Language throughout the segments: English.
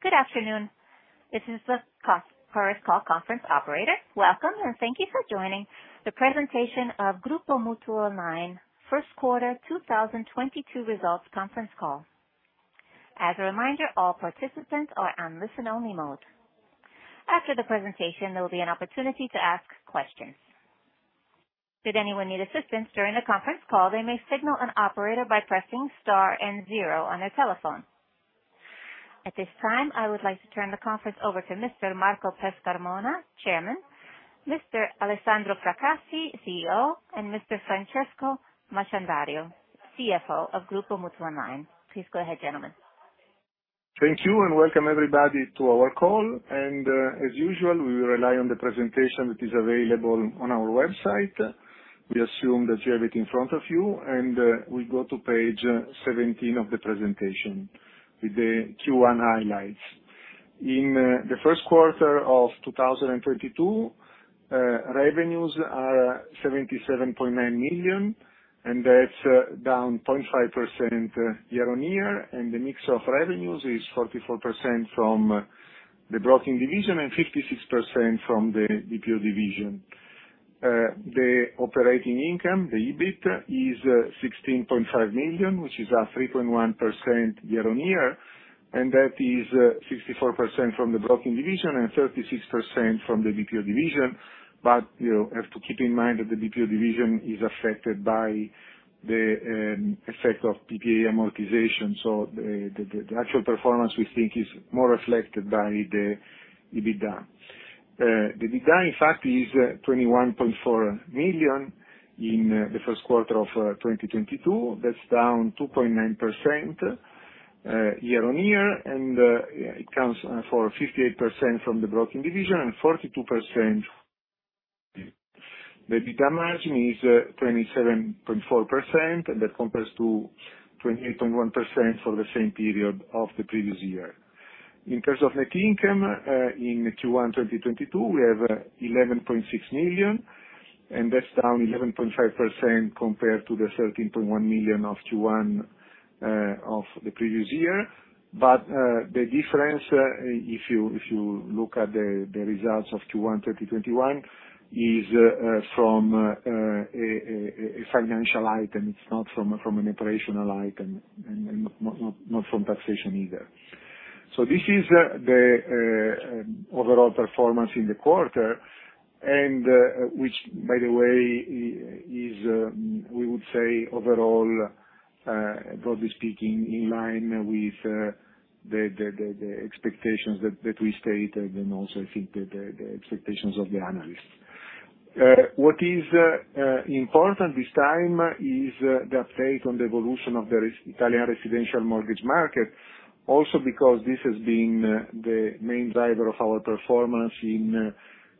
Good afternoon. This is the conference operator. Welcome, and thank you for joining the presentation of Moltiply Group First Quarter 2022 Results Conference Call. As a reminder, all participants are in listen-only mode. After the presentation, there will be an opportunity to ask questions. Should anyone need assistance during the conference call, they may signal an operator by pressing star and zero on their telephone. At this time, I would like to turn the conference over to Mr. Marco Pescarmona, Chairman, Mr. Alessandro Fracassi, CEO, and Mr. Francesco Masciandaro, CFO of Moltiply Group. Please go ahead, gentlemen. Thank you, and welcome everybody to our call. As usual, we will rely on the presentation that is available on our website. We assume that you have it in front of you, and we go to page 17 of the presentation with the Q1 highlights. In the first quarter of 2022, revenues are 77.9 million, and that's down 0.5% year-over-year. The mix of revenues is 44% from the broking division and 56% from the BPO division. The operating income, the EBIT, is 16.5 million, which is a 3.1% year-over-year, and that is 64% from the broking division and 36% from the BPO division. You have to keep in mind that the BPO division is affected by the effect of PPA amortization. The actual performance, we think, is more reflected by the EBITDA. The EBITDA, in fact, is 21.4 million in the first quarter of 2022. That's down 2.9% year-on-year. It accounts for 58% from the broking division and 42%. The EBITDA margin is 27.4%, and that compares to 28.1% for the same period of the previous year. In terms of net income, in Q1 2022, we have 11.6 million, and that's down 11.5% compared to the 13.1 million of Q1 of the previous year. The difference, if you look at the results of Q1 2021, is from a financial item. It's not from an operational item and not from taxation either. This is the overall performance in the quarter. Which by the way is, we would say overall, broadly speaking, in line with the expectations that we stated, and also I think the expectations of the analysts. What is important this time is the update on the evolution of the Italian residential mortgage market. Also because this has been the main driver of our performance in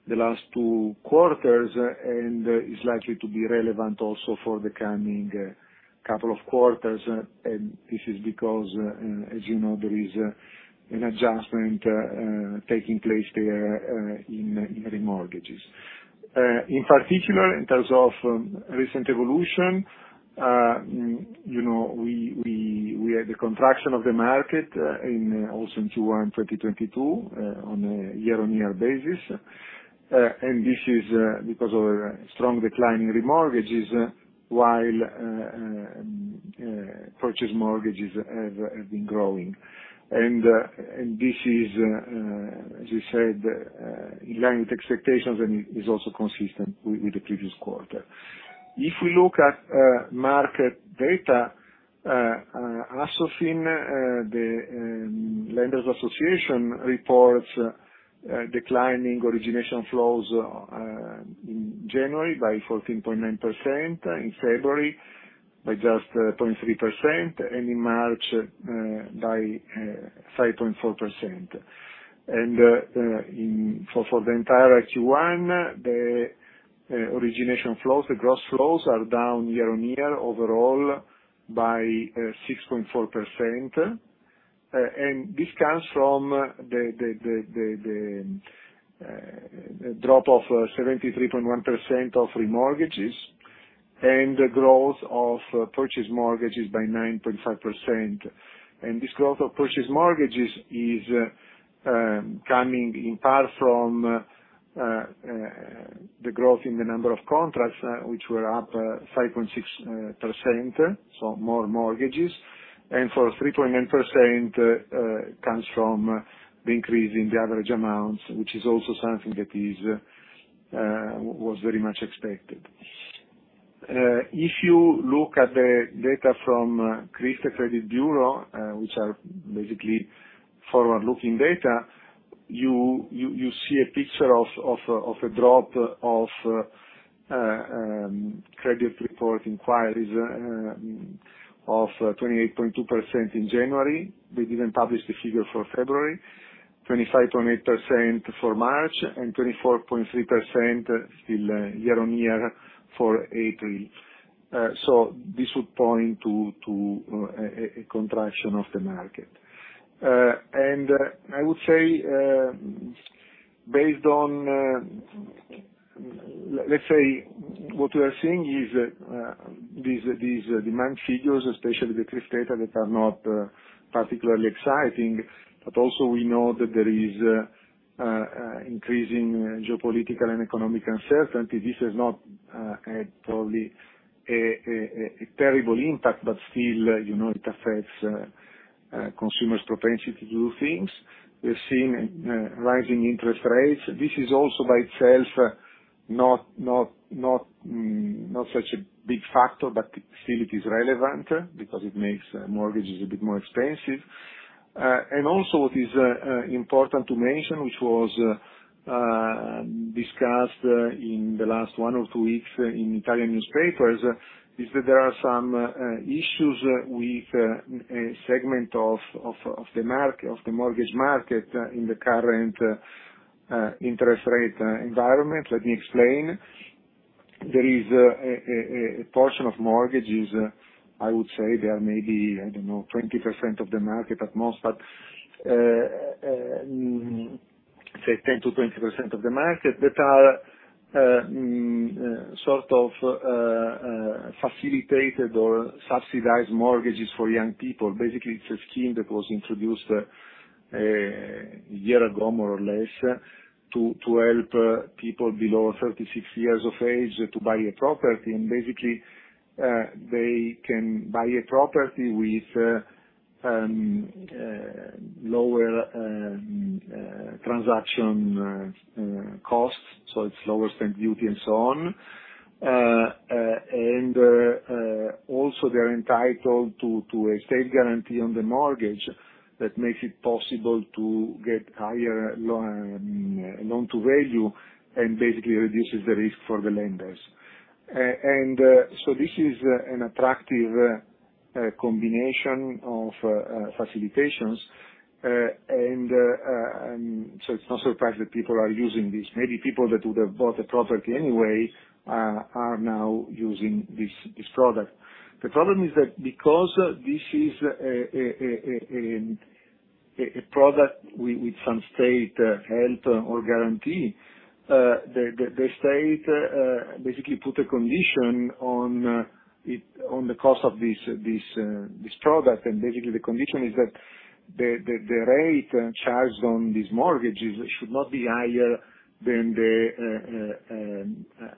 the last two quarters, and is likely to be relevant also for the coming couple of quarters. This is because, as you know, there is an adjustment taking place there in remortgages. In particular, in terms of recent evolution, you know, we had the contraction of the market also in Q1 2022 on a year-on-year basis. This is because of a strong decline in remortgages while purchase mortgages have been growing. This is, as you said, in line with expectations and is also consistent with the previous quarter. If we look at market data, Assofin, the Lenders Association, reports declining origination flows in January by 14.9%, in February by just 0.3%, and in March by 5.4%. For the entire Q1, the origination flows, the gross flows are down year-on-year overall by 6.4%. This comes from the drop of 73.1% of remortgages and the growth of purchase mortgages by 9.5%. This growth of purchase mortgages is coming in part from the growth in the number of contracts, which were up 5.6%, so more mortgages. For 3.9%, comes from the increase in the average amounts, which is also something that was very much expected. If you look at the data from CRIF, which are basically forward-looking data, you see a picture of a drop of credit report inquiries of 28.2% in January. They didn't publish the figure for February. 25.8% for March and 24.3% still year-on-year for April. This would point to a contraction of the market. I would say, based on, let's say what we are seeing is these demand figures, especially the CRIF data that are not particularly exciting, but also we know that there is increasing geopolitical and economic uncertainty. This has not had probably a terrible impact, but still, you know, it affects consumers' propensity to do things. We're seeing rising interest rates. This is also by itself not such a big factor, but still it is relevant because it makes mortgages a bit more expensive. Also it is important to mention, which was discussed in the last one or two weeks in Italian newspapers, is that there are some issues with a segment of the mortgage market in the current interest rate environment. Let me explain. There is a portion of mortgages, I would say they are maybe, I don't know, 20% of the market at most, but say 10%-20% of the market that are sort of facilitated or subsidized mortgages for young people. Basically, it's a scheme that was introduced a year ago, more or less, to help people below 36 years of age to buy a property. Basically, they can buy a property with lower transaction costs, so it's lower stamp duty and so on. Also, they're entitled to a state guarantee on the mortgage that makes it possible to get higher Loan-to-value and basically reduces the risk for the lenders. This is an attractive combination of facilitations. It's no surprise that people are using this. Maybe people that would have bought a property anyway are now using this product. The problem is that because this is a product with some state help or guarantee, the state basically put a condition on the cost of this product. Basically, the condition is that the rate charged on these mortgages should not be higher than the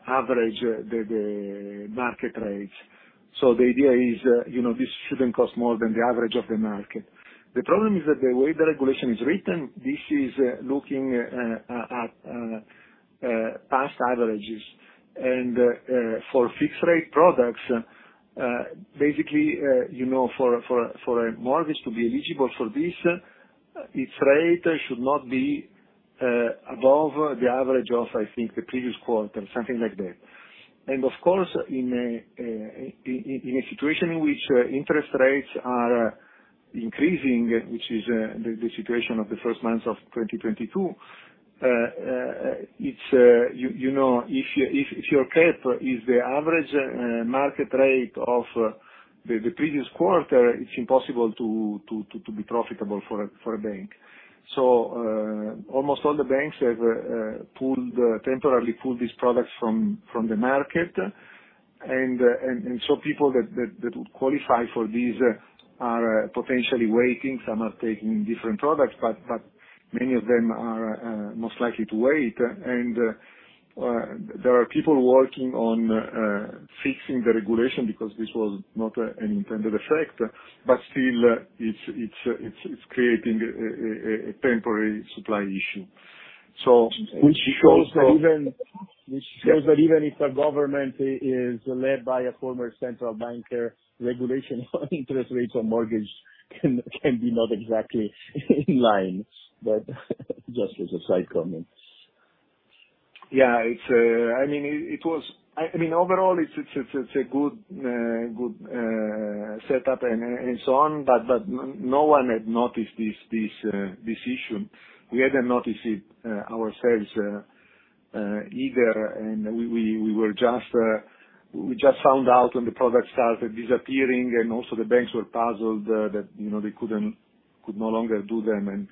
average, the market rates. The idea is, you know, this shouldn't cost more than the average of the market. The problem is that the way the regulation is written, this is looking at past averages. For fixed rate products, basically, you know, for a mortgage to be eligible for this, its rate should not be above the average of, I think, the previous quarter, something like that. Of course, in a situation in which interest rates are increasing, which is the situation of the first months of 2022, it's, you know, if your cap is the average market rate of the previous quarter, it's impossible to be profitable for a bank. Almost all the banks have temporarily pulled these products from the market. People that qualify for these are potentially waiting. Some are taking different products, but many of them are most likely to wait. There are people working on fixing the regulation because this was not an intended effect. But still, it's creating a temporary supply issue. Which shows that even Which shows that even if a government is led by a former central banker, regulation on interest rates on mortgage can be not exactly in line. Just as a side comment. Yeah, I mean, overall, it's a good setup and so on, but no one had noticed this issue. We hadn't noticed it ourselves either, and we just found out when the product started disappearing, and also the banks were puzzled that, you know, they could no longer do them.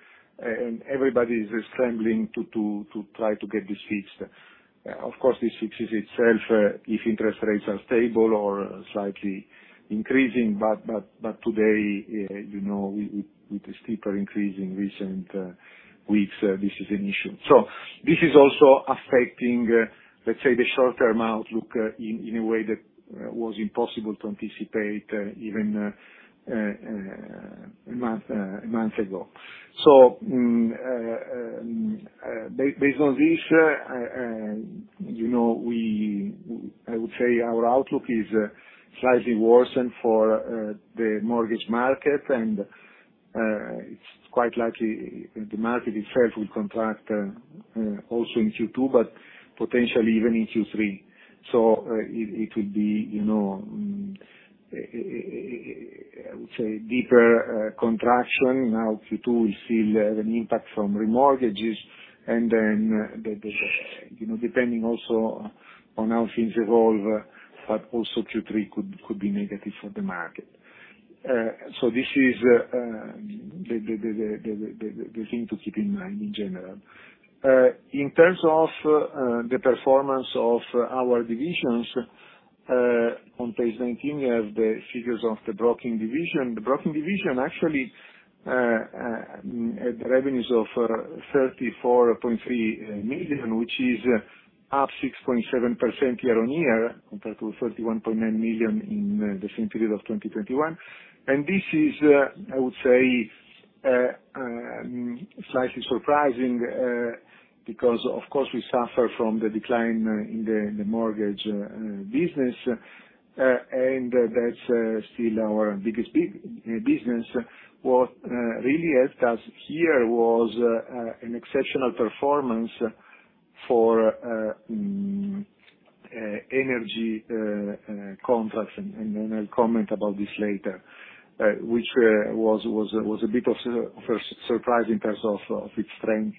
Everybody is scrambling to try to get this fixed. Of course, this fixes itself if interest rates are stable or slightly increasing. Today, you know, with the steeper increase in recent weeks, this is an issue. This is also affecting, let's say, the shorter-term outlook in a way that was impossible to anticipate, even a month ago. Based on this, you know, we, I would say our outlook is slightly worsened for the mortgage market, and it's quite likely the market itself will contract also in Q2, but potentially even in Q3. It would be, you know, I would say deeper contraction. Now Q2, we still have an impact from remortgages. Then, you know, depending also on how things evolve, but also Q3 could be negative for the market. This is the thing to keep in mind in general. In terms of the performance of our divisions, on page 19 we have the figures of the broking division. The broking division actually had revenues of 34.3 million, which is up 6.7% year-on-year compared to 31.9 million in the same period of 2021. This is, I would say, slightly surprising, because of course we suffer from the decline in the mortgage business, and that's still our biggest business. What really helped us here was an exceptional performance for energy contracts, and I'll comment about this later, which was a bit of a surprise in terms of its strength.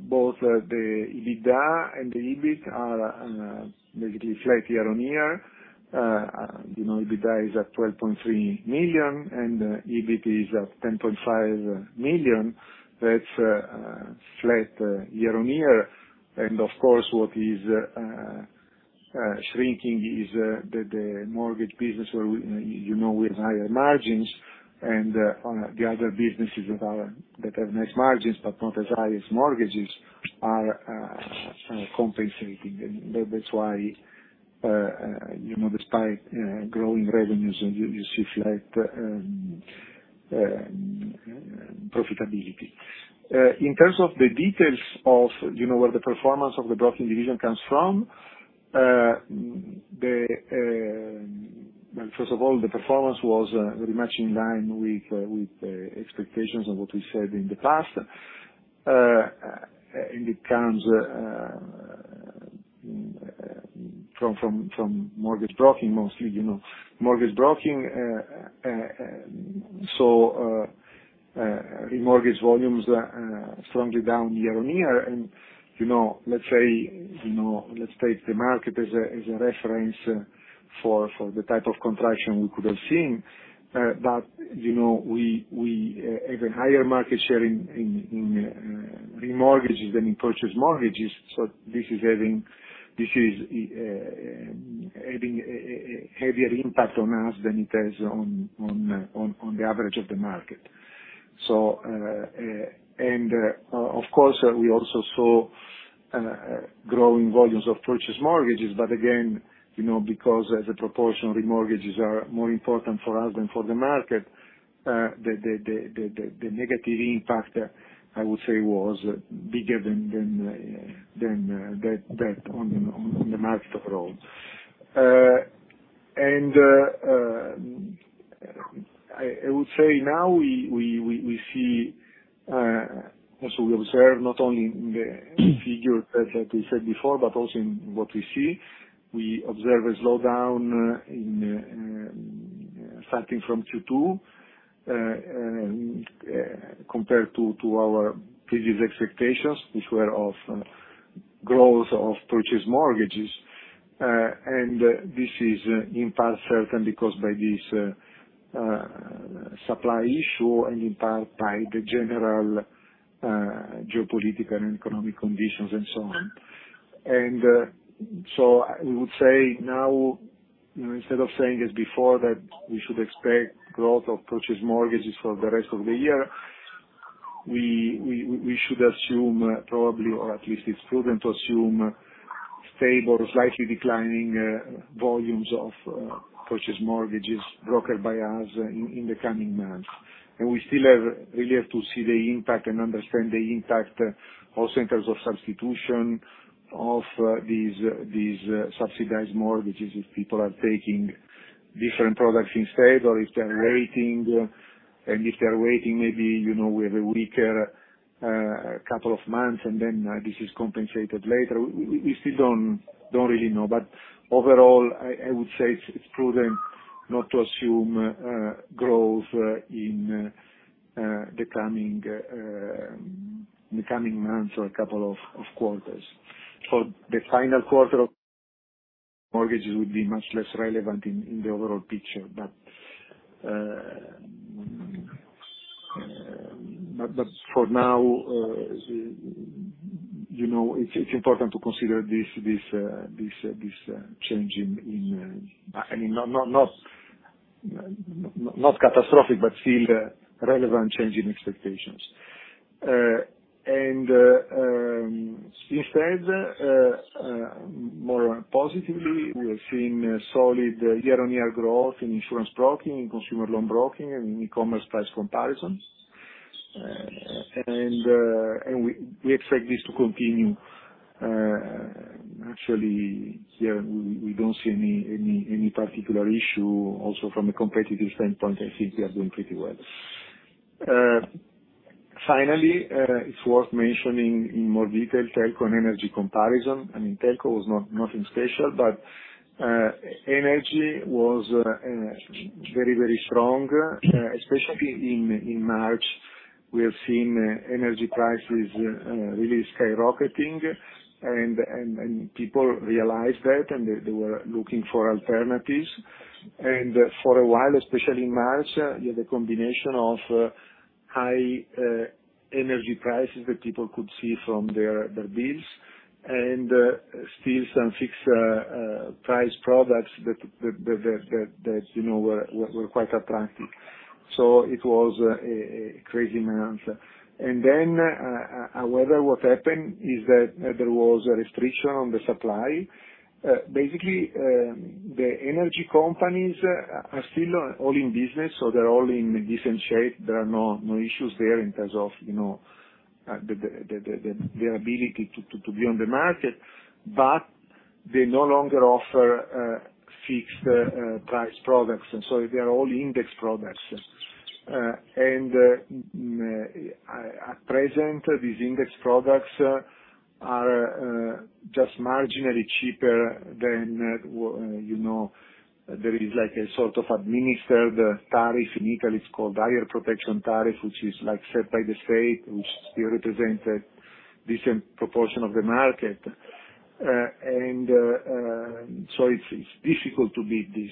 Both the EBITDA and the EBIT are negative, flat year-over-year. EBITDA is at 12.3 million, and EBIT is at 10.5 million. That's flat year-over-year. Of course, what is shrinking is the mortgage business where we, with higher margins and on the other businesses that have nice margins but not as high as mortgages are, compensating. That's why, despite growing revenues, you see flat profitability. In terms of the details of where the performance of the broking division comes from, well, first of all, the performance was very much in line with expectations of what we said in the past. It comes from mortgage broking mostly, you know. Remortgage volumes are strongly down year-over-year, and you know, let's say, you know, let's take the market as a reference for the type of contraction we could have seen, but you know, we have a higher market share in remortgages than in purchase mortgages, so this is having a heavier impact on us than it has on the average of the market. Of course, we also saw growing volumes of purchase mortgages. Again, you know, because as a proportion remortgages are more important for us than for the market, the negative impact, I would say, was bigger than that on the market overall. I would say now we see, as we observe not only in the figures as I said before, but also in what we see, we observe a slowdown, starting from Q2, compared to our previous expectations, which were of growth of purchase mortgages. This is in part certain because of this supply issue and in part by the general geopolitical and economic conditions and so on. I would say now, you know, instead of saying as before that we should expect growth of purchase mortgages for the rest of the year, we should assume probably or at least it's prudent to assume stable or slightly declining volumes of purchase mortgages brokered by us in the coming months. We still really have to see the impact and understand the impact also in terms of substitution of these subsidized mortgages if people are taking different products instead, or if they're waiting, and if they're waiting, maybe, you know, we have a weaker couple of months, and then this is compensated later. We still don't really know. Overall, I would say it's prudent not to assume growth in the coming months or couple of quarters. The final quarter of mortgages would be much less relevant in the overall picture. For now, you know, it's important to consider this change in expectations. I mean, not catastrophic, but still relevant change in expectations. Instead, more positively, we are seeing solid year-on-year growth in insurance broking and consumer loan broking and in e-commerce price comparison. We expect this to continue. Actually, yeah, we don't see any particular issue. Also from a competitive standpoint, I think we are doing pretty well. Finally, it's worth mentioning in more detail telco and energy comparison. I mean, telco was not nothing special, but energy was very strong, especially in March. We have seen energy prices really skyrocketing, and people realized that, and they were looking for alternatives. For a while, especially in March, you had a combination of high energy prices that people could see from their bills and still some fixed price products that you know were quite attractive. So it was a crazy. However, what happened is that there was a restriction on the supply. Basically, the energy companies are still all in business, so they're all in different shape. There are no issues there in terms of, you know, their ability to be on the market, but they no longer offer fixed price products, and so they are all index products. At present, these index products are just marginally cheaper than, you know, there is like a sort of administered tariff. In Italy, it's called Servizio di Maggior Tutela, which is, like, set by the state, which still represented different proportion of the market. So it's difficult to beat this.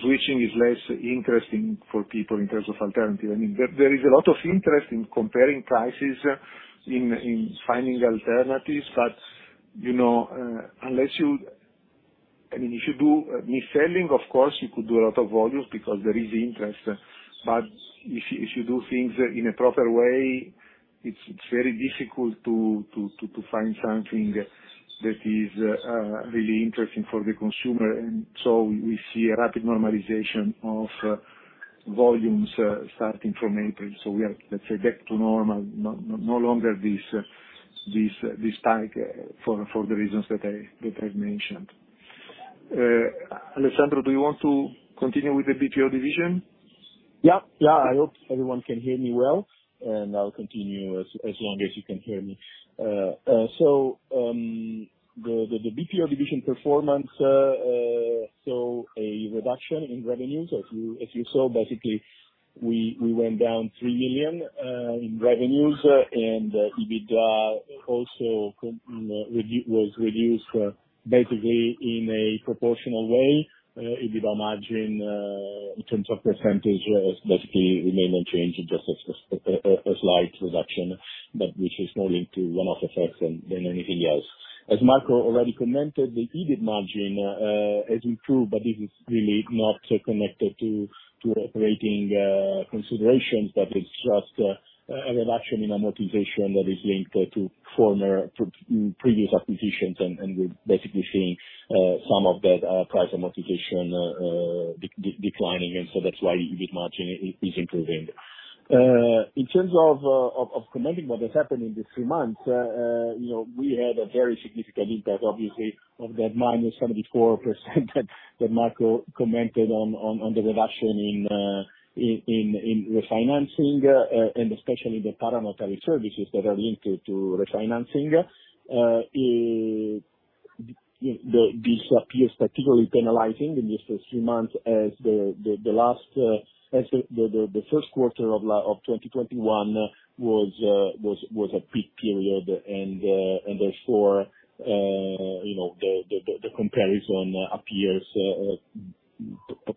Switching is less interesting for people in terms of alternative. I mean, there is a lot of interest in comparing prices, in finding alternatives, but, you know, unless you I mean, if you do mis-selling, of course, you could do a lot of volumes because there is interest. If you do things in a proper way, it's very difficult to find something that is really interesting for the consumer. We see a rapid normalization of volumes starting from April. We are, let's say, back to normal, no longer this spike for the reasons that I've mentioned. Alessandro, do you want to continue with the BPO division? Yeah. Yeah. I hope everyone can hear me well, and I'll continue as long as you can hear me. The BPO division performance saw a reduction in revenues. If you saw, basically, we went down 3 million in revenues, and EBITDA also was reduced basically in a proportional way. EBITDA margin in terms of percentage has basically remained unchanged. Just a slight reduction, but which is more linked to one-off effects than anything else. As Marco already commented, the EBIT margin has improved, but this is really not connected to operating considerations. That is just a reduction in amortization that is linked to previous acquisitions, and we're basically seeing some of that price amortization declining, and so that's why EBIT margin is improving. In terms of commenting what has happened in these three months, you know, we had a very significant impact obviously of that minus 74% that Marco commented on the reduction in refinancing, and especially the para-notary services that are linked to refinancing. This appears particularly penalizing in these first three months as the first quarter of 2021 was a peak period, and therefore, you know, the comparison appears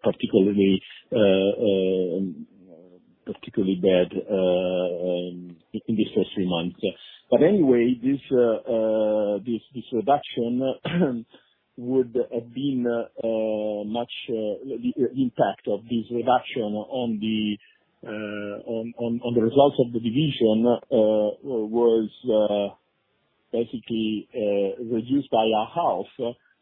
particularly bad in these first three months. Anyway, this reduction would have been much. The impact of this reduction on the results of the division was basically reduced by a half,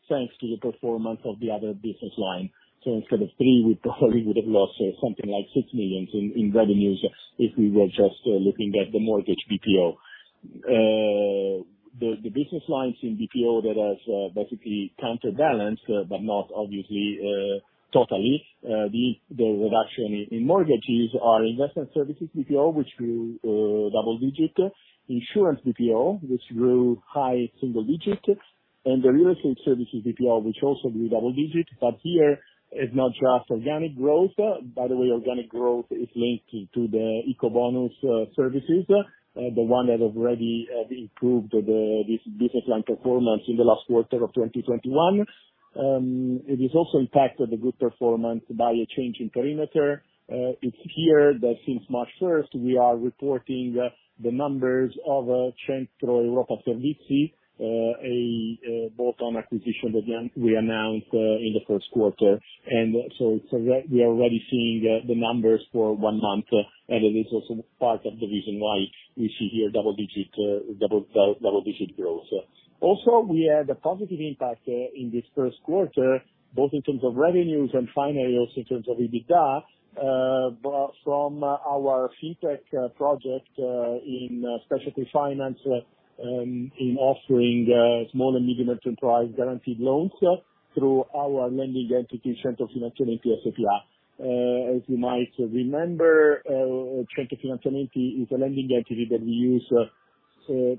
thanks to the performance of the other business line. Instead of 3 million, we probably would have lost something like 6 million in revenues if we were just looking at the mortgage BPO. The business lines in BPO that has basically counterbalanced, but not obviously, totally, the reduction in mortgages are investment services BPO, which grew double-digit, insurance BPO, which grew high single-digit, and the real estate services BPO, which also grew double-digit. Here, it's not just organic growth. By the way, organic growth is linked to the Ecobonus services, the one that already have improved this business line performance in the last quarter of 2021. It is also impacted the good performance by a change in perimeter. It's here that since March first, we are reporting the numbers of Centro Europa Servizi, a bolt-on acquisition that we announced in the first quarter. We are already seeing the numbers for one month, and it is also part of the reason why we see here double digit growth. Also, we had a positive impact in this first quarter, both in terms of revenues and financials in terms of EBITDA, but from our FinTech project in specialty finance, in offering small and medium enterprise guaranteed loans through our lending entity, Centro Finanziamenti S.p.A. As you might remember, Centro Finanziamenti is a lending entity that we use.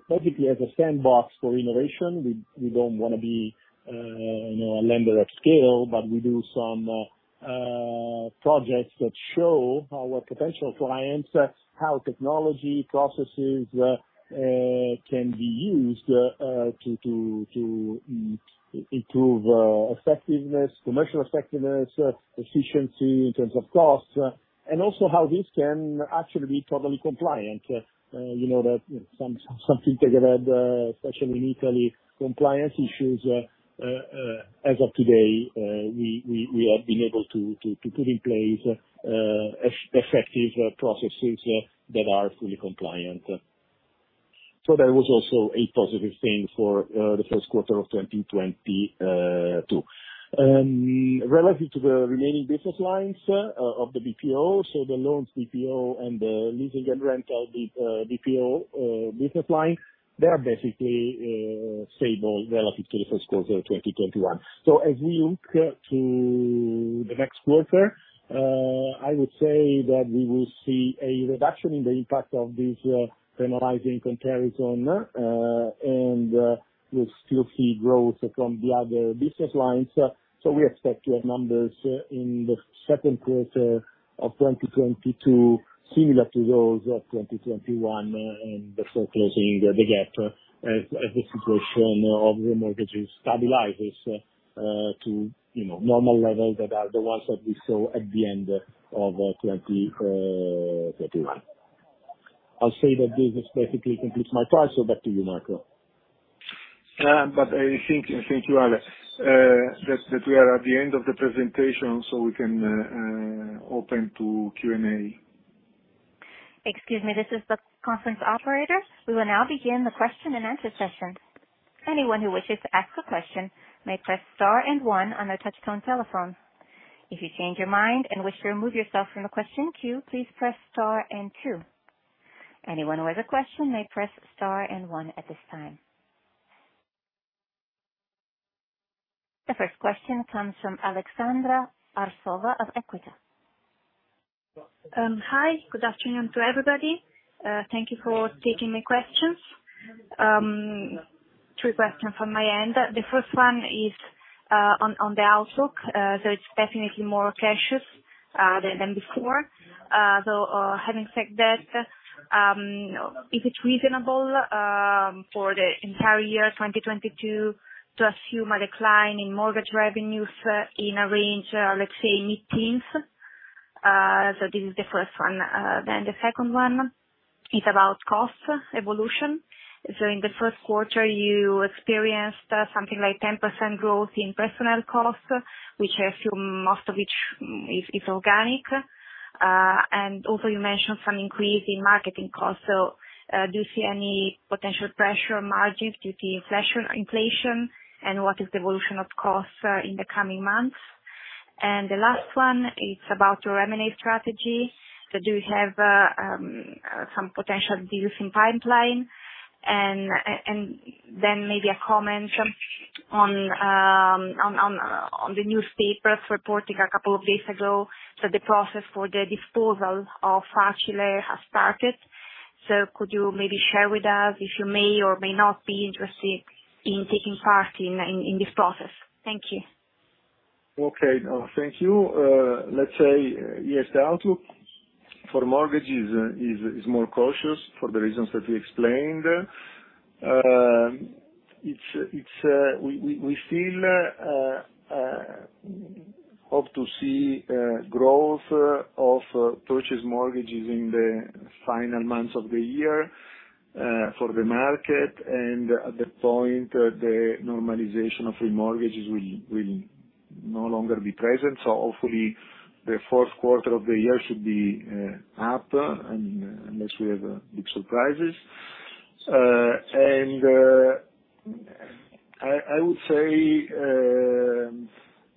Basically as a sandbox for innovation, we don't wanna be, you know, a lender of scale, but we do some projects that show our potential clients how technology processes can be used to improve effectiveness, commercial effectiveness, efficiency in terms of costs, and also how this can actually be totally compliant. You know that you know something together, especially in Italy, compliance issues, as of today, we have been able to put in place effective processes that are fully compliant. That was also a positive thing for the first quarter of 2022. Relative to the remaining business lines of the BPO, so the loans BPO and the leasing and rental BPO business line, they are basically stable relative to the first quarter of 2021. As we look to the next quarter, I would say that we will see a reduction in the impact of this penalizing comparison, and we still see growth from the other business lines. We expect to have numbers in the second quarter of 2022, similar to those of 2021, and therefore closing the gap as the situation of remortgages stabilizes to, you know, normal levels that are the ones that we saw at the end of 2021. I'll say that this basically completes my part, so back to you, Marco. I think, thank you, Alex. That we are at the end of the presentation, so we can open to Q&A. Excuse me. This is the conference operator. We will now begin the question-and-answer session. Anyone who wishes to ask a question may press star and one on a touchtone telephone. If you change your mind and wish to remove yourself from the question queue, please press star and two. Anyone with a question may press star and one at this time. The first question comes from Aleksandra Arsova of Equita. Hi. Good afternoon to everybody. Thank you for taking the questions. Two questions from my end. The first one is on the outlook. It's definitely more cautious than before. Having said that, if it's reasonable for the entire year, 2022, to assume a decline in mortgage revenues in a range, let's say mid-teens. The second one is about cost evolution. In the first quarter, you experienced something like 10% growth in personnel costs, which I assume most of which is organic. And also you mentioned some increase in marketing costs. Do you see any potential pressure on margins due to inflation? And what is the evolution of costs in the coming months? The last one is about your M&A strategy. Do you have some potential deals in pipeline? And then maybe a comment on the newspapers reporting a couple of days ago that the process for the disposal of Facile.it has started. Could you maybe share with us if you may or may not be interested in taking part in this process? Thank you. Okay. No, thank you. Let's say yes, the outlook for mortgages is more cautious for the reasons that we explained. We still hope to see growth of purchase mortgages in the final months of the year for the market. At that point, the normalization of remortgages will no longer be present. Hopefully the fourth quarter of the year should be up unless we have big surprises. I would say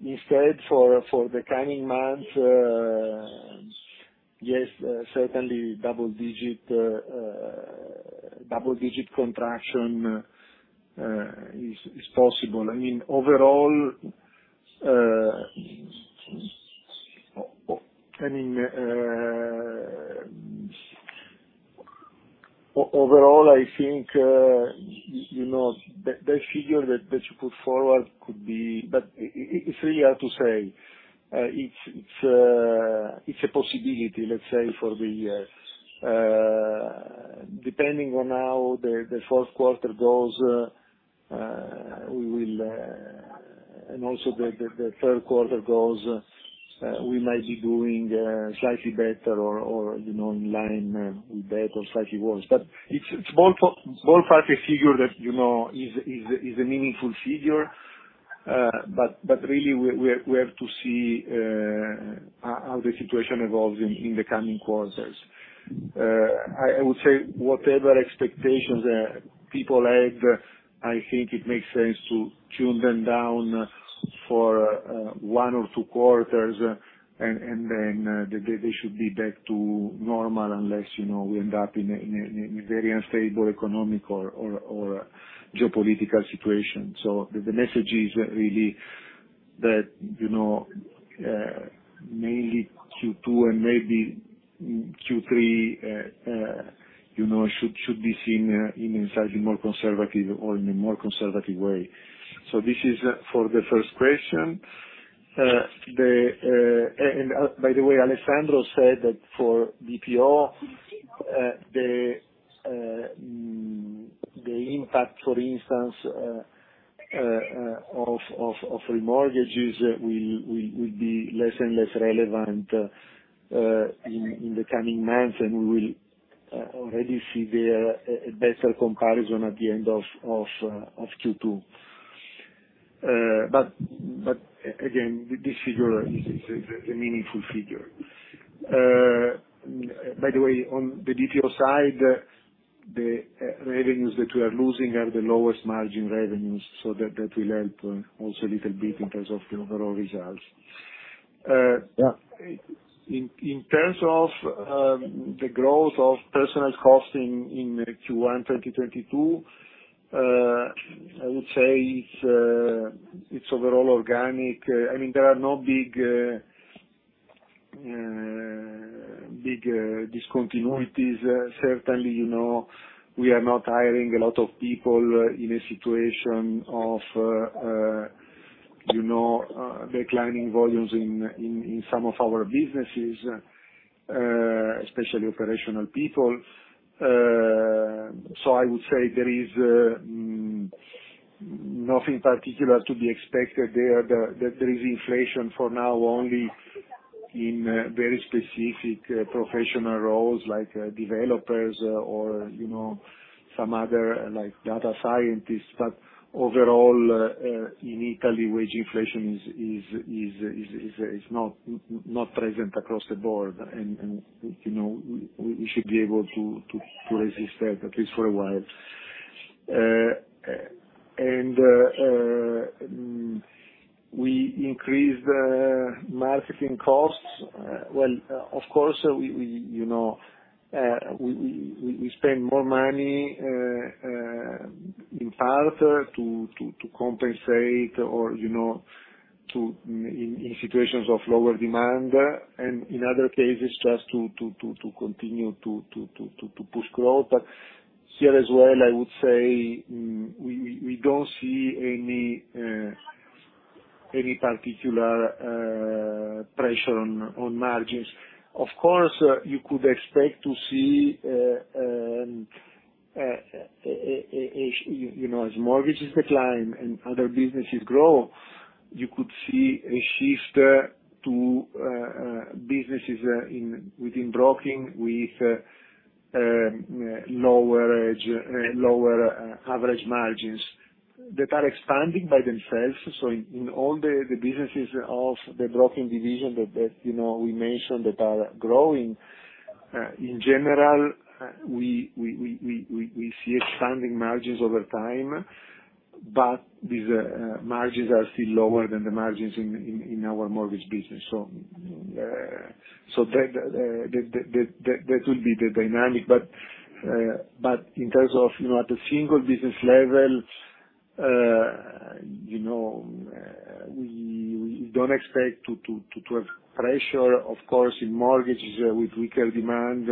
instead for the coming months, yes, certainly double-digit contraction is possible. I mean, overall, I think you know that figure that you put forward could be. It's really hard to say. It's a possibility, let's say, depending on how the fourth quarter goes and also the third quarter goes. We might be doing slightly better or, you know, in line with that or slightly worse. It's more of a factual figure that, you know, is a meaningful figure. But really we have to see how the situation evolves in the coming quarters. I would say whatever expectations people had, I think it makes sense to tune them down for one or two quarters and then they should be back to normal unless, you know, we end up in a very unstable economic or geopolitical situation. The message is really that, you know, mainly Q2 and maybe Q3 you know should be seen inside a more conservative or in a more conservative way. This is for the first question. By the way, Alessandro said that for BPO the impact, for instance, of remortgages will be less and less relevant in the coming months. We will already see the better comparison at the end of Q2. But again, this figure is a meaningful figure. By the way, on the BPO side, the revenues that we are losing are the lowest margin revenues, so that will help also a little bit in terms of the overall results. In terms of the growth of personnel costs in Q1 2022, I would say it's overall organic. I mean, there are no big discontinuities. Certainly, you know, we are not hiring a lot of people in a situation of declining volumes in some of our businesses, especially operational people. I would say there is nothing particular to be expected there. There is inflation for now only in very specific professional roles like developers or, you know, some other, like data scientists. Overall, in Italy, wage inflation is not present across the board. You know, we should be able to resist that, at least for a while. We increased marketing costs. Well, of course, you know, we spend more money in part to compensate or, you know, in situations of lower demand. In other cases, just to push growth. Here as well, I would say, we don't see any particular pressure on margins. Of course, you could expect to see, you know, as mortgages decline and other businesses grow, you could see a shift to businesses within broking with lower EBITDA, lower average margins that are expanding by themselves. In all the businesses of the broking division that you know we mentioned that are growing in general we see expanding margins over time, but these margins are still lower than the margins in our mortgage business. That could be the dynamic, but in terms of you know at the single business level you know we don't expect to have pressure, of course, in mortgages with weaker demand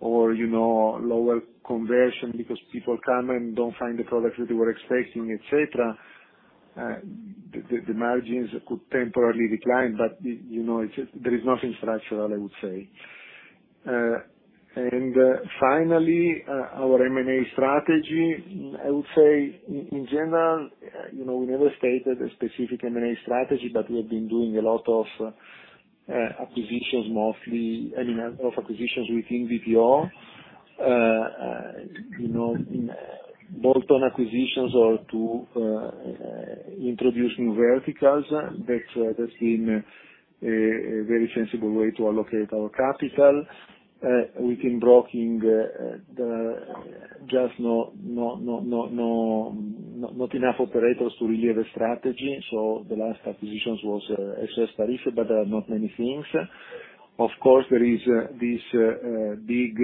or you know lower conversion because people come and don't find the products that they were expecting, et cetera. The margins could temporarily decline, but you know it's just there is nothing structural, I would say. Finally our M&A strategy. I would say in general, you know, we never stated a specific M&A strategy, but we have been doing a lot of acquisitions, mostly, I mean, of acquisitions within BPO. You know, in bolt-on acquisitions or to introduce new verticals. That's been a very sensible way to allocate our capital. Within broking, there just no not enough operators to really have a strategy. So the last acquisitions was SOS Tariffe, but not many things. Of course, there is this big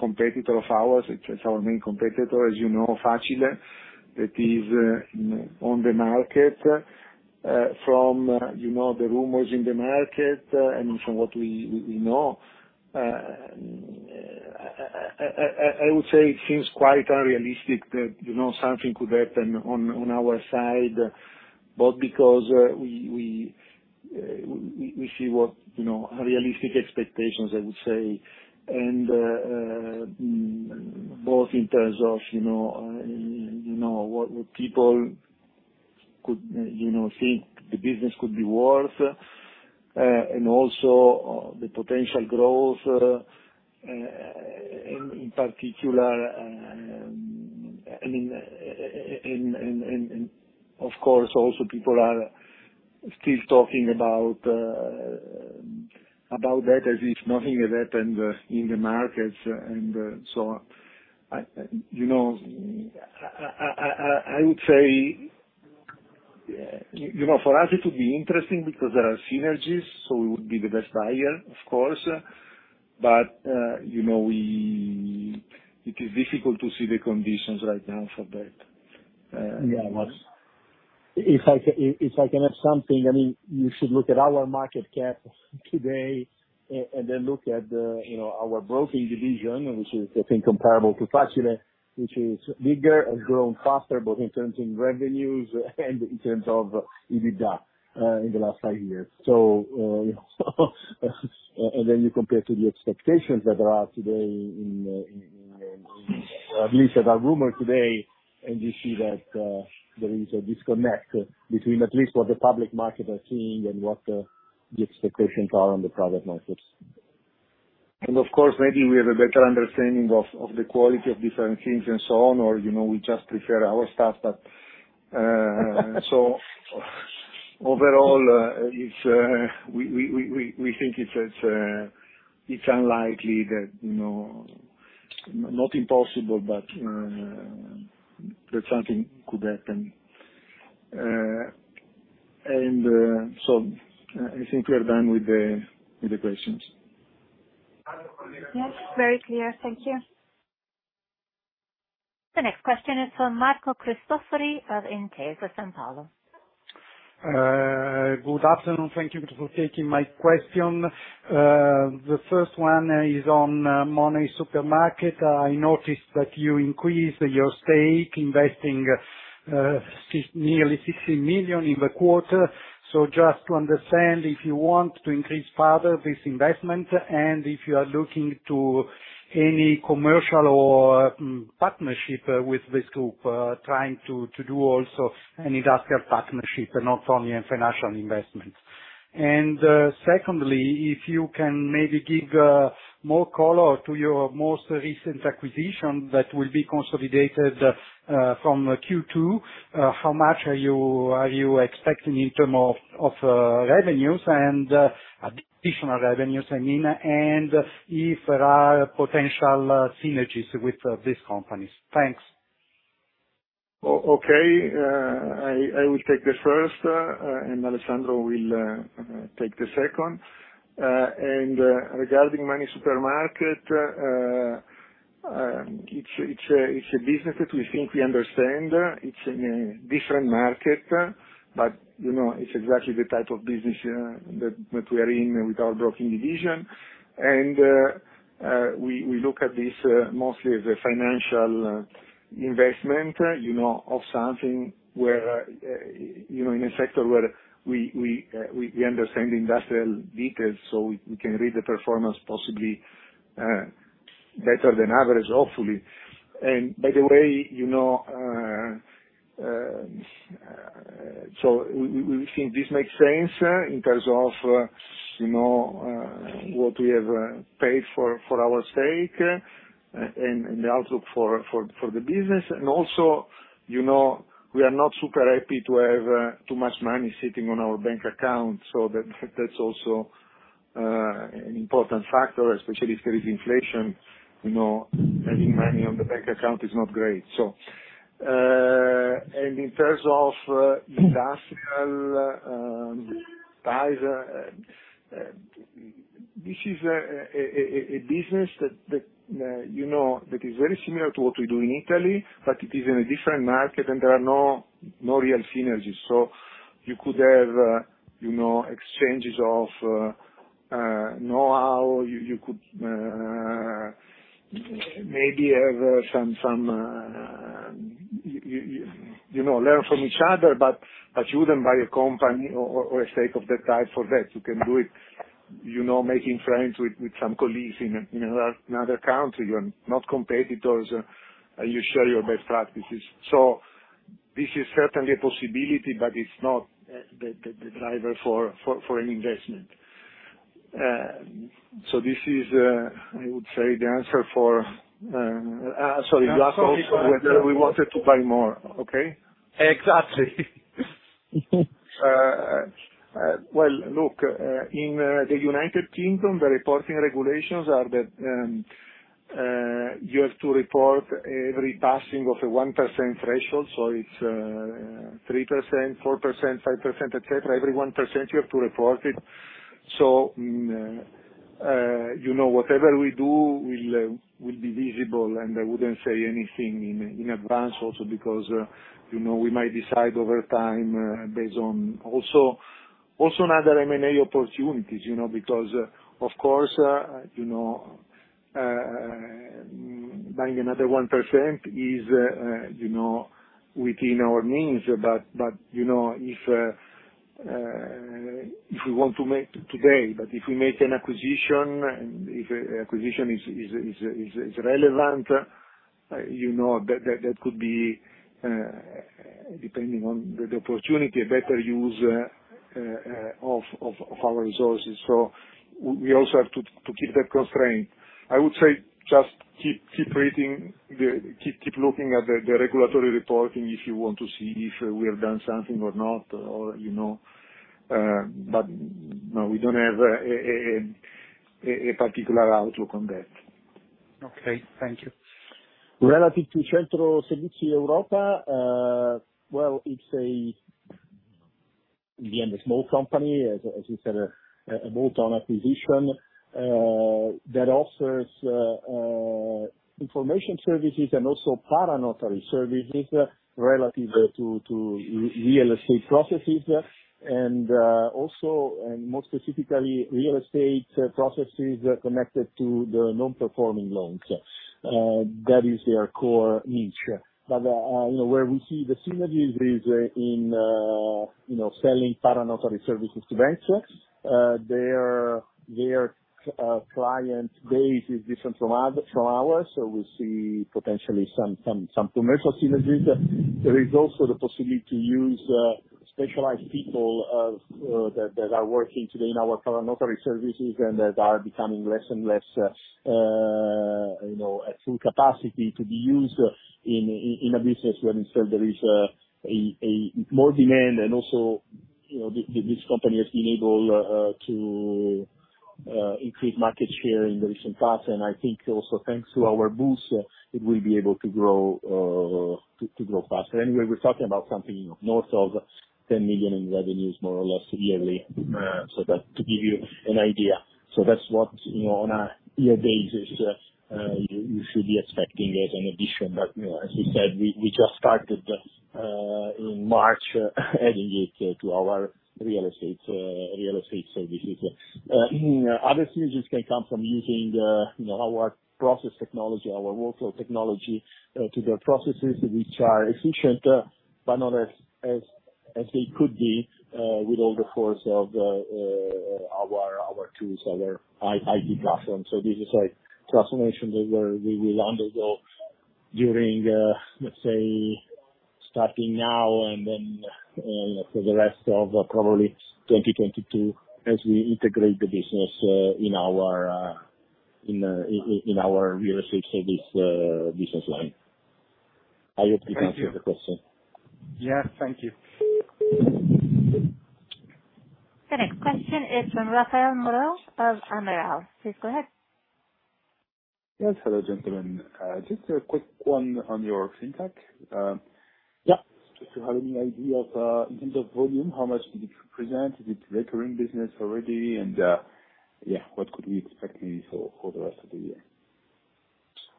competitor of ours. It's our main competitor, as you know, Facile.it, that is on the market. From, you know, the rumors in the market and from what we know, I would say it seems quite unrealistic that, you know, something could happen on our side, but because we see what, you know, realistic expectations, I would say. Both in terms of, you know, what people could, you know, think the business could be worth, and also the potential growth, in particular, I mean, and, of course, also people are still talking about that as if nothing had happened in the markets. You know, I would say, you know, for us it would be interesting because there are synergies, so we would be the best buyer, of course. You know, it is difficult to see the conditions right now for that. Yeah. If I can add something, I mean, you should look at our market cap today and then look at, you know, our broking division, which is, I think, comparable to Facile.it, which is bigger and growing faster, both in terms of revenues and in terms of EBITDA, in the last five years. And then you compare to the expectations that are out today in, at least as a rumor today, and you see that there is a disconnect between at least what the public market are seeing and what the expectations are on the private markets. Of course, maybe we have a better understanding of the quality of different things and so on, or, you know, we just prefer our stuff. Overall, it's we think it's unlikely that, you know, not impossible, but that something could happen. I think we are done with the questions. Yes. Very clear. Thank you. The next question is from Marco Cristofori of Intesa Sanpaolo. Good afternoon. Thank you for taking my question. The first one is on Moneysupermarket.com. I noticed that you increased your stake, investing nearly 60 million in the quarter. Just to understand, if you want to increase further this investment, and if you are looking to any commercial or partnership with this group, trying to do also an industrial partnership and not only a financial investment. Secondly, if you can maybe give more color to your most recent acquisition that will be consolidated from Q2. How much are you expecting in terms of revenues and additional revenues, I mean, and if there are potential synergies with these companies. Thanks. Okay. I will take the first, and Alessandro will take the second. Regarding MoneySupermarket, it's a business that we think we understand. It's in a different market, but you know, it's exactly the type of business that we are in with our broking division. We look at this mostly as a financial investment, you know, of something where you know, in a sector where we understand the industrial details, so we can read the performance possibly better than average, hopefully. By the way, you know, so we think this makes sense in terms of you know, what we have paid for our stake and also for the business. Also, you know, we are not super happy to have too much money sitting on our bank account. That, that's also an important factor, especially if there is inflation. You know, having money on the bank account is not great. In terms of industrial ties, this is a business that, you know, that is very similar to what we do in Italy, but it is in a different market and there are no real synergies. You could have, you know, exchanges of know-how. You could maybe have some, you know, learn from each other, but you wouldn't buy a company or a stake of that type for that. You can do it, you know, making friends with some colleagues in another country who are not competitors, and you share your best practices. This is certainly a possibility, but it's not the driver for an investment. I would say the answer for. Sorry. You asked also whether we wanted to buy more. Okay. Exactly. Well, look, in the United Kingdom, the reporting regulations are that you have to report every passing of a 1% threshold. It's three percent, four percent, five percent, et cetera. Every 1% you have to report it. You know, whatever we do will be visible. And I wouldn't say anything in advance also because, you know, we might decide over time based on also another M&A opportunities, you know. Because of course, you know, buying another 1% is, you know, within our means. You know, if we want to make today, but if we make an acquisition, and if acquisition is relevant, you know, that could be of our resources. We also have to keep that constraint. I would say just keep looking at the regulatory reporting if you want to see if we have done something or not or, you know. No, we don't have a particular outlook on that. Okay. Thank you. Relative to Centro Servizi Europa, well, it's a In the end, a small company, as you said, a bolt-on acquisition that offers information services and also para-notary services relative to real estate processes and, more specifically, real estate processes connected to the non-performing loans. That is their core niche. You know, where we see the synergies is in, you know, selling para-notary services to banks. Their client base is different from ours, so we see potentially some commercial synergies. There is also the possibility to use specialized people that are working today in our para-notary services, and that are becoming less and less, you know, at full capacity to be used in a business where instead there is more demand and also, you know, this company has been able to increase market share in the recent past. I think also thanks to our boost, it will be able to grow faster. Anyway, we're talking about something, you know, north of 10 million in revenues more or less yearly. That's to give you an idea. That's what, you know, on a year basis, you should be expecting as an addition. You know, as you said, we just started in March adding it to our real estate services. Other synergies can come from using the, you know, our process technology, our workflow technology, to their processes, which are efficient, but not as they could be, with all the force of our tools, our IT platform. This is like transformation that we will undergo during, let's say starting now and then, for the rest of probably 2022 as we integrate the business, in our real estate services business line. I hope this answered the question. Thank you. Yeah. Thank you. The next question is from Raphaël Moreau of Amiral. Please go ahead. Yes. Hello, gentlemen. Just a quick one on your FinTech. Yeah. If you have any idea of, in terms of volume, how much did it present? Is it recurring business already? Yeah, what could we expect maybe for the rest of the year?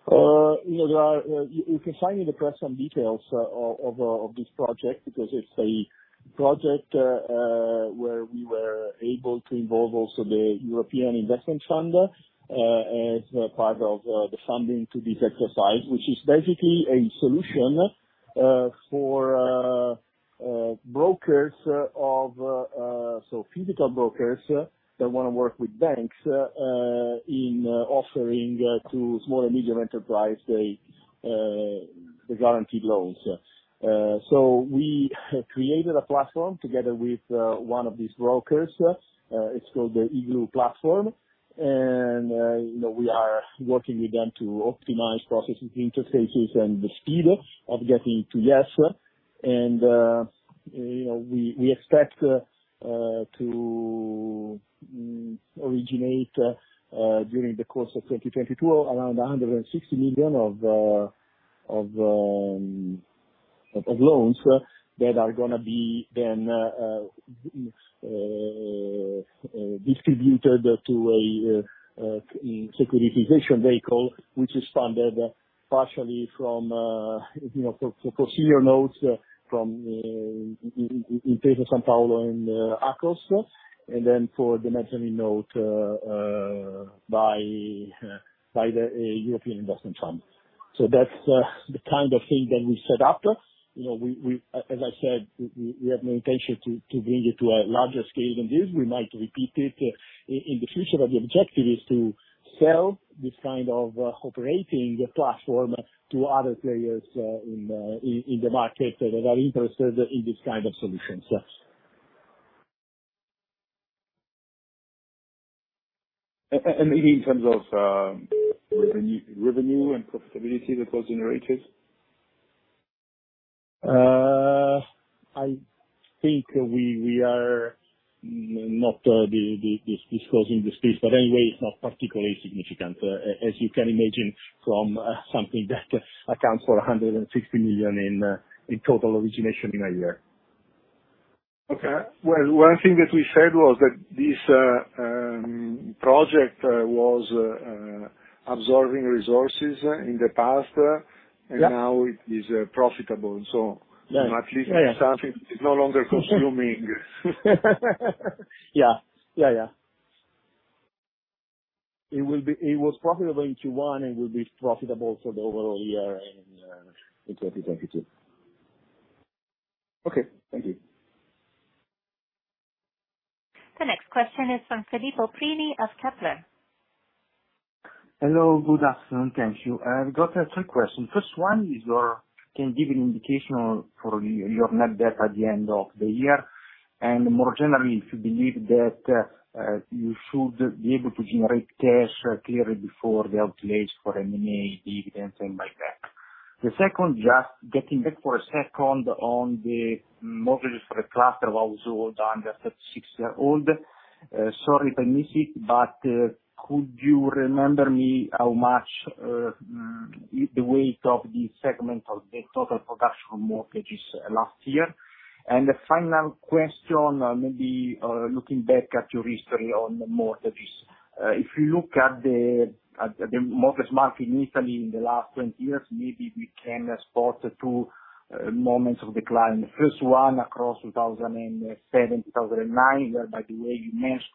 You know, you can find in the press some details of this project, because it's a project where we were able to involve also the European Investment Fund as part of the funding to this exercise, which is basically a solution for brokers, so physical brokers that wanna work with banks in offering to small and medium enterprise the guaranteed loans. We created a platform together with one of these brokers. It's called the EAGLE platform. You know, we are working with them to optimize processes, interfaces, and the speed of getting to yes. You know, we expect to originate during the course of 2022 around 160 million of loans that are gonna be then distributed to a securitization vehicle, which is funded partially from senior notes from Intesa Sanpaolo and Akros. For the mezzanine note by the European Investment Fund. That's the kind of thing that we set up. You know, as I said, we have no intention to bring it to a larger scale than this. We might repeat it in the future, but the objective is to sell this kind of operating platform to other players in the market that are interested in this kind of solution. So. Any in terms of revenue and profitability that was generated? I think we are not disclosing the space, but anyway, it's not particularly significant, as you can imagine from something that accounts for 160 million in total origination in a year. Well, one thing that we said was that this project was absorbing resources in the past. Yeah. Now it is profitable, so At least something is no longer consuming. Yeah. It was profitable in Q1, and will be profitable for the overall year in 2022. Okay. Thank you. The next question is from Filippo Prini of Kepler. Hello. Good afternoon. Thank you. I've got three questions. First one is your net debt. Can you give an indication for your net debt at the end of the year? More generally, if you believe that you should be able to generate cash clearly before the outlays for M&A, dividends, and buyback. The second, just getting back for a second on the mortgages for the cluster of also under 36-year-old. Sorry if I miss it, but could you remind me how much the weight of the segment of the total production mortgages last year? The final question, maybe looking back at your history on the mortgages. If you look at the mortgage market in Italy in the last 20 years, maybe we can spot two moments of decline. The first one across 2007, 2009, where by the way you managed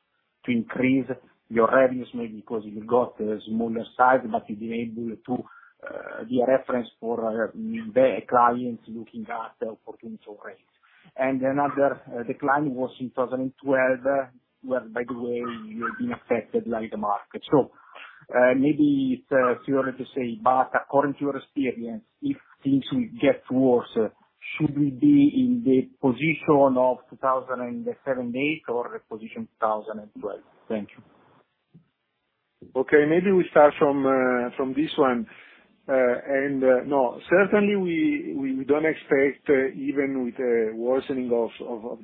to increase your revenues, maybe because you got a smaller size, but you've been able to be a reference for the clients looking at opportunities of rates. Another decline was in 2012, where by the way you had been affected by the market. Maybe it's too early to say, but according to your experience, if things will get worse, should we be in the position of 2007, 2008 or the position 2012? Thank you. Okay, maybe we start from this one. No, certainly we don't expect even with a worsening of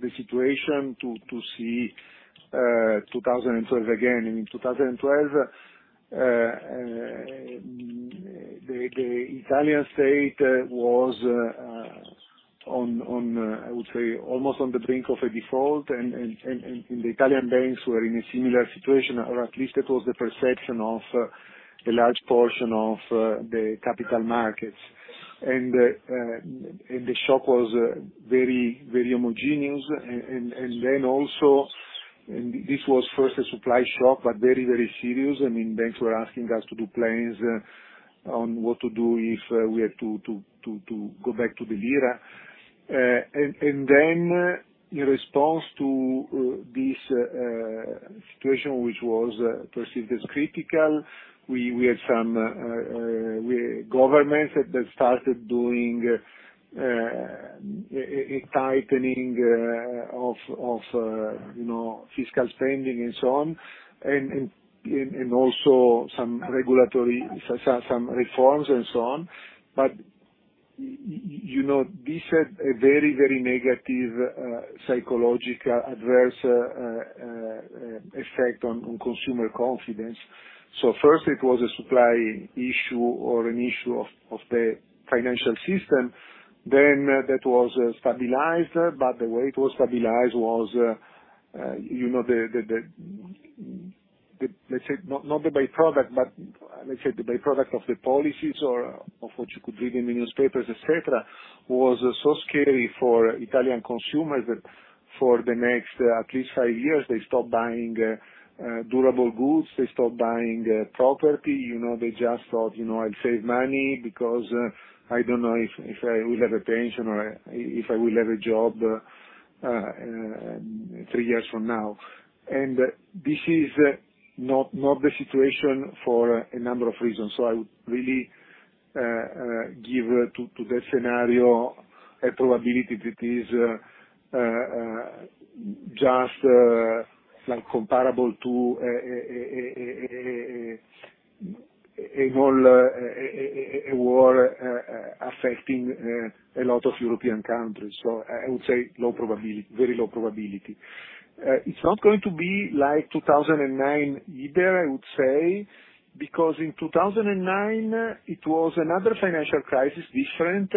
the situation to see 2012 again. In 2012, the Italian state was, I would say, almost on the brink of a default and the Italian banks were in a similar situation, or at least it was the perception of a large portion of the capital markets. The shock was very homogeneous. This was first a supply shock, but very serious. I mean, banks were asking us to do plans on what to do if we had to go back to the lira. In response to this situation which was perceived as critical, we had some governments that started doing a tightening of you know fiscal spending and so on, and also some regulatory, so some reforms and so on. You know, this had a very negative psychological adverse effect on consumer confidence. First it was a supply issue or an issue of the financial system. That was stabilized, but the way it was stabilized was, you know, the, let's say not the by-product, but let's say the by-product of the policies or of what you could read in the newspapers, et cetera, was so scary for Italian consumers that for the next at least five years, they stopped buying durable goods. They stopped buying property. You know, they just thought, "You know, I'll save money because I don't know if I will have a pension or if I will have a job three years from now." This is not the situation for a number of reasons. I would really give to that scenario a probability that is just like comparable to a whole war affecting a lot of European countries. I would say low probability, very low probability. It's not going to be like 2009 either, I would say, because in 2009, it was another financial crisis, different.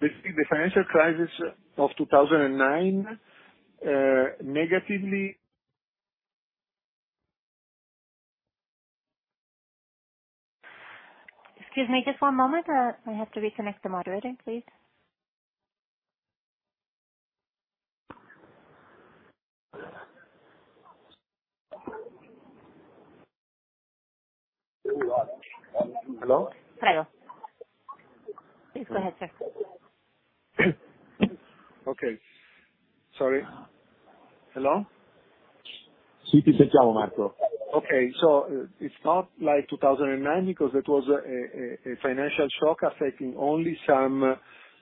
Between the financial crisis of 2009 negatively- Excuse me, just one moment. I have to reconnect the moderator, please. Hello? Please go ahead, sir. It's not like 2009 because it was a financial shock affecting only some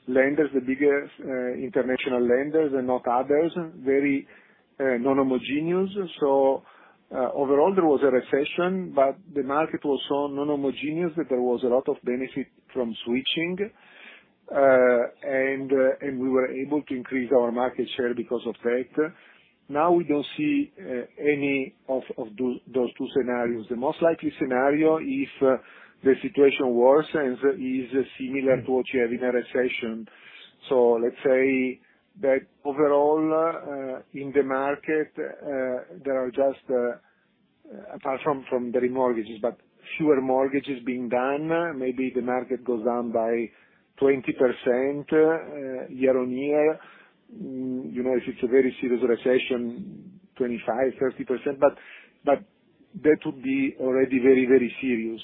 lenders, the biggest international lenders and not others. Very non-homogeneous. Overall, there was a recession, but the market was so non-homogeneous that there was a lot of benefit from switching. We were able to increase our market share because of that. Now we don't see any of those two scenarios. The most likely scenario if the situation worsens is similar to what you have in a recession. Let's say that overall, in the market, there are just apart from the remortgages, but fewer mortgages being done. Maybe the market goes down by 20% year-on-year. You know, if it's a very serious recession, 25%-30%. That would be already very, very serious.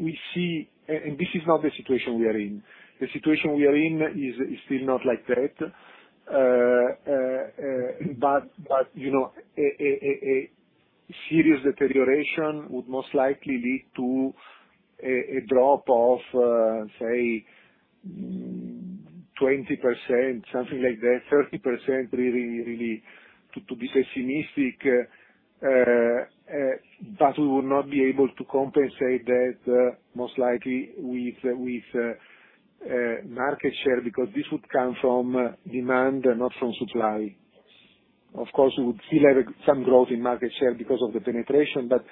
We see this is not the situation we are in. The situation we are in is still not like that. You know, a serious deterioration would most likely lead to a drop of, say, 20%, something like that, 30% really, really to be pessimistic. We will not be able to compensate that most likely with market share, because this would come from demand and not from supply. Of course, we would still have some growth in market share because of the penetration, but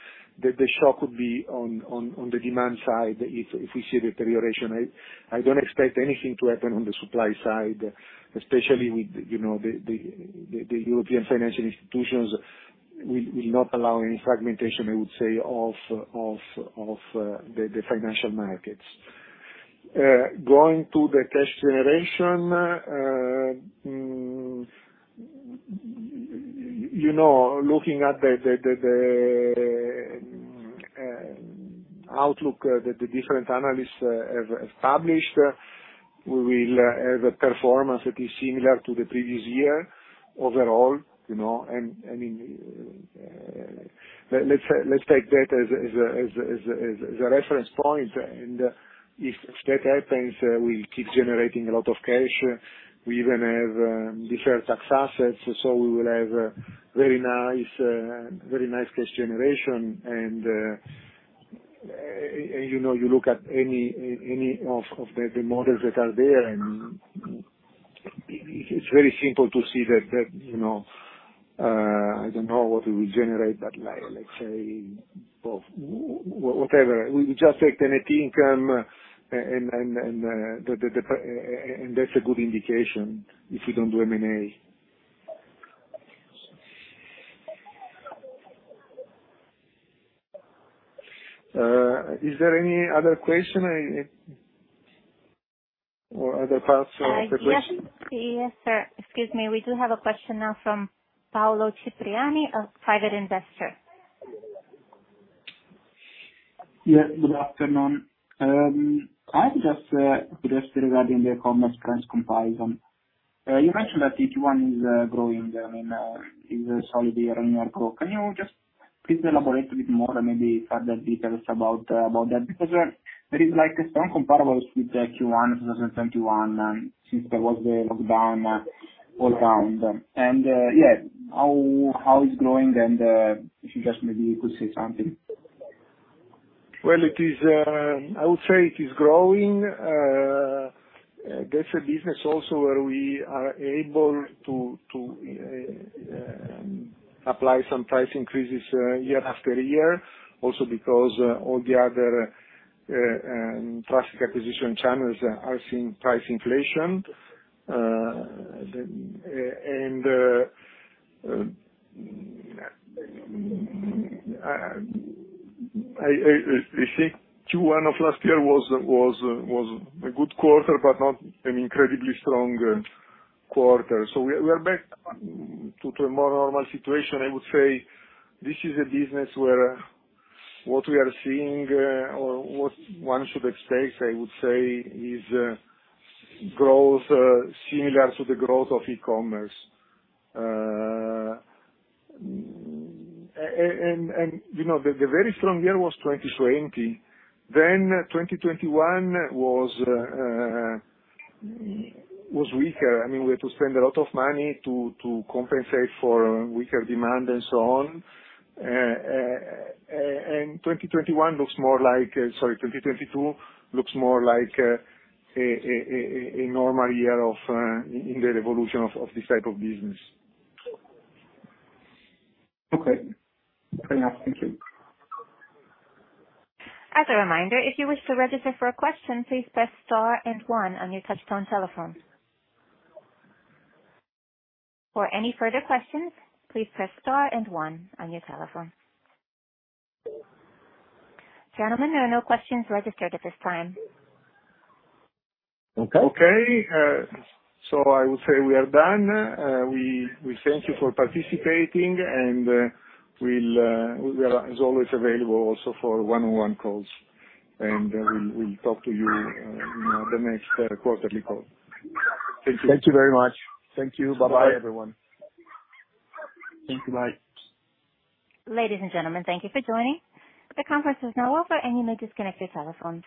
the shock would be on the demand side if we see deterioration. I don't expect anything to happen on the supply side, especially with, you know, the European financial institutions will not allow any fragmentation, I would say, of the financial markets. Going to the cash generation, you know, looking at the outlook that the different analysts have established, we will have a performance that is similar to the previous year overall, you know, and, I mean, let's take that as a reference point. If that happens, we'll keep generating a lot of cash. We even have deferred tax assets, so we will have very nice cash generation. You know, you look at any of the models that are there, and it's very simple to see that, you know, I don't know what we generate, but like, let's say, well, whatever. We just take net income and that's a good indication if we don't do M&A. Is there any other question? Or other parts of the question? Yes. Yes, sir. Excuse me. We do have a question now from Paolo Cipriani of Private Investor. Yes, good afternoon. I'm just interested regarding the e-commerce trends comparison. You mentioned that each one is growing, I mean, is solid year-on-year growth. Can you just please elaborate a bit more and maybe further details about that? Because there is like some comparables with the Q1 of 2021, since there was the lockdown all around. Yeah, how it's growing and if you just maybe you could say something. Well, it is. I would say it is growing. That's a business also where we are able to apply some price increases year after year, also because all the other traffic acquisition channels are seeing price inflation. I think Q1 of last year was a good quarter but not an incredibly strong quarter. We are back to a more normal situation. I would say this is a business where what we are seeing or what one should expect, I would say, is growth similar to the growth of e-commerce. You know, the very strong year was 2020. 2021 was weaker. I mean, we had to spend a lot of money to compensate for weaker demand and so on. Sorry, 2022 looks more like a normal year in the evolution of this type of business. Okay. Fair enough. Thank you. As a reminder, if you wish to register for a question, please press star and one on your touch tone telephone. For any further questions, please press star and one on your telephone. Gentlemen, there are no questions registered at this time. I would say we are done. We thank you for participating, and we are, as always, available also for one-on-one calls. We'll talk to you know, the next quarterly call. Thank you. Thank you very much. Thank you. Bye-bye, everyone. Thank you. Bye. Ladies and gentlemen, thank you for joining. The conference is now over, and you may disconnect your telephones.